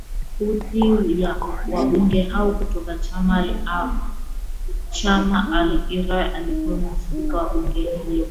uthi ya wabunge hao kutoka chama cha al iraila akiwemo spika wa bunge hilo